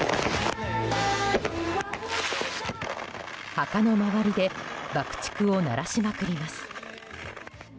墓の周りで爆竹を鳴らしまくります。